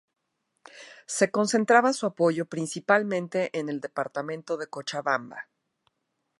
Se concentraba su apoyo principalmente en el Departamento de Cochabamba.